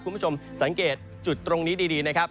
คุณผู้ชมสังเกตจุดตรงนี้ดีนะครับ